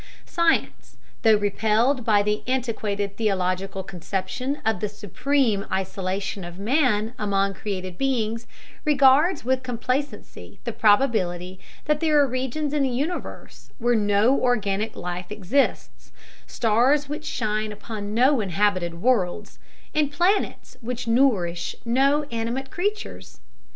Science, though repelled by the antiquated theological conception of the supreme isolation of man among created beings, regards with complacency the probability that there are regions in the universe where no organic life exists, stars which shine upon no inhabited worlds, and planets which nourish no animate creatures.